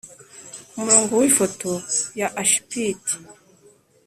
kumurongo wifoto ya ashpit,